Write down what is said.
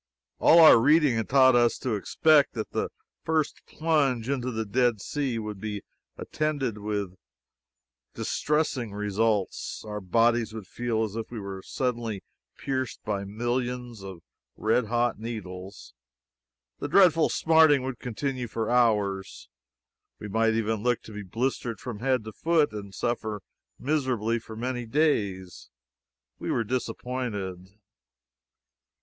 All our reading had taught us to expect that the first plunge into the Dead Sea would be attended with distressing results our bodies would feel as if they were suddenly pierced by millions of red hot needles; the dreadful smarting would continue for hours; we might even look to be blistered from head to foot, and suffer miserably for many days. We were disappointed.